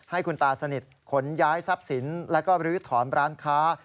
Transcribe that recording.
ให้คุณตาสนิทขนย้ายทรัพย์สินแล้วก็ลื้อถอนร้านค้า